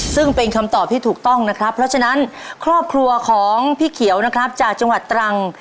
ซึ่งเป็นคำตอบที่ถูกต้องนะครับเพราะฉะนั้นครอบครัวของพี่เขียวนะครับจากจังหวัดตรัง